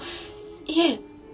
いえ！